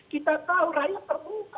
kita tahu rakyat terbuka